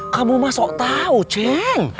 kamu mah sok tau ceng